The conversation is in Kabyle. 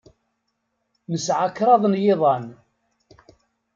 Nesɛa kraḍ n yiḍan.